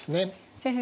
先生